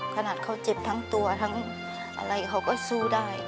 ขนาดเขาเจ็บทั้งตัวทั้งอะไรเขาก็สู้ได้